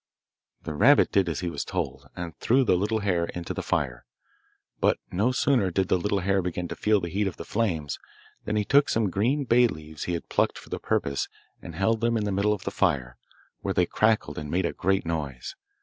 The rabbit did as he was told, and threw the little hare into the fire; but no sooner did the little hare begin to feel the heat of the flames than he took some green bay leaves he had plucked for the purpose and held them in the middle of the fire, where they crackled and made a great noise.